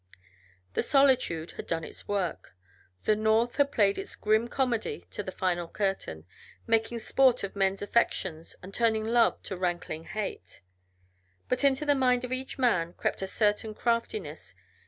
The solitude had done its work; the North had played its grim comedy to the final curtain, making sport of men's affections and turning love to rankling hate. But into the mind of each man crept a certain craftiness.